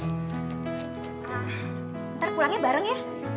ah ntar pulangnya bareng ya